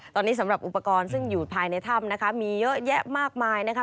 ตอนนี้สำหรับอุปกรณ์ซึ่งอยู่ภายในถ้ำนะคะมีเยอะแยะมากมายนะคะ